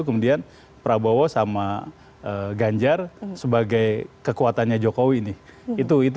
kemudian prabowo sama ganjar sebagai kekuatannya jokowi nih